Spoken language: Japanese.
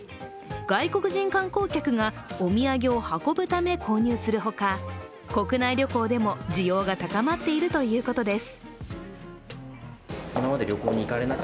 外国人観光客がお土産を運ぶため購入するほか国内旅行でも需要が高まっているということです。